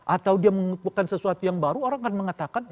atau dia mengutupkan sesuatu yang baru orang kan mengatakan